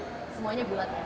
semuanya bulat ya